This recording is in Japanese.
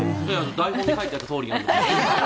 台本に書いてあったとおり読んだんですけど。